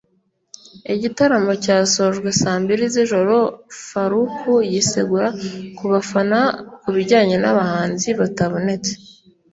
Igitaramo cyasojwe saa mbiri z’ijoro Faruku yisegura ku bafana ku bijyanye n’abahanzi batabonetse